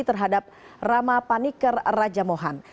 terhadap rama paniker raja mohan